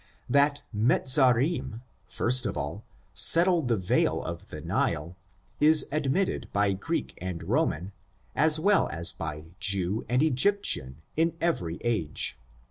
That Mezarim, first of all, settled the vale of the Nile, is admitted by Greek and Roman, as well as by Jew and Egyptian, in every age.